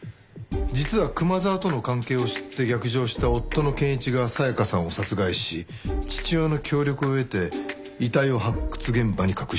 実は熊沢との関係を知って逆上した夫の憲一が沙耶香さんを殺害し父親の協力を得て遺体を発掘現場に隠した。